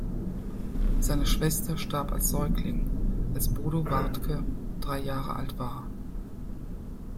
Seine Schwester starb als Säugling, als Bodo Wartke drei Jahre alt war.